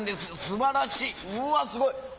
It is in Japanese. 素晴らしいうわすごい！